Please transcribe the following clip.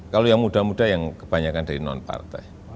kalau yang muda muda yang kebanyakan dari non partai